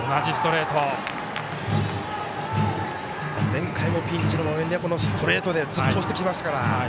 前回もピンチの場面でストレートでずっと押してきましたから。